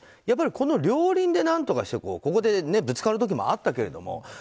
やっぱりこの両輪で何とかしてここでぶつかる時もあったけど。